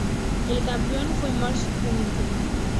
El campeón fue el Manchester United.